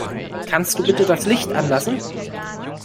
Kannst du bitte das Licht anlassen?